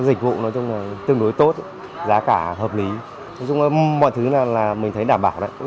dịch vụ nói chung là tương đối tốt giá cả hợp lý nói chung là mọi thứ là mình thấy đảm bảo đấy